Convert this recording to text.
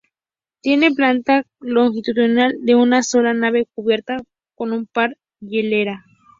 Tiene planta longitudinal de una sola nave cubierta con par hilera.